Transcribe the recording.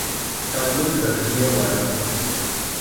تعلق رکھنے والے